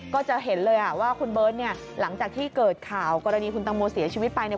ก็จะเห็นเลยว่าคุณเบิร์ตเนี่ยหลังจากที่เกิดข่าวกรณีคุณตังโมเสียชีวิตไปเนี่ย